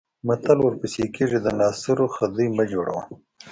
متل ورپسې کېږي د ناصرو خدۍ مه جوړوه.